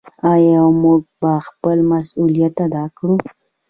آیا موږ به خپل مسوولیت ادا کړو؟